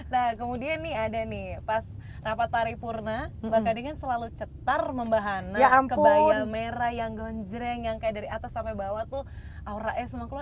nah kemudian nih ada nih pas rapat tari purna mbak kadik kan selalu cetar membahana kebaya merah yang gonjreng yang kayak dari atas sampai bawah tuh aura s emang keluar